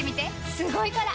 すごいから！